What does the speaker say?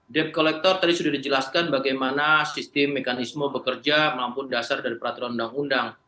debt collector tadi sudah dijelaskan bagaimana sistem mekanisme bekerja melampung dasar dari peraturan undang undang